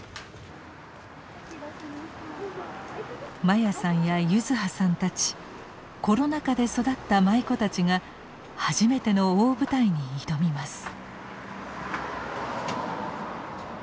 真矢さんや柚子葉さんたちコロナ禍で育った舞妓たちが初めての大舞台に挑みます。